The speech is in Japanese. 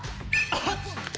あっ。